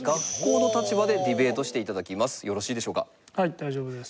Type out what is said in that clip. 大丈夫です。